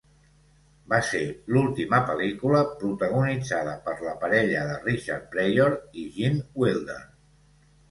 Va ser l'última pel·lícula protagonitzada per la parella de Richard Pryor i Gene Wilder.